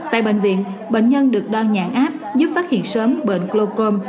tại bệnh viện bệnh nhân được đo nhãn áp giúp phát hiện sớm bệnh glocom